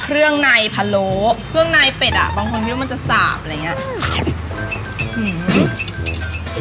เครื่องในพะโล้เครื่องในเป็ดอ่ะบางคนคิดว่ามันจะสาบอะไรอย่างเงี้ย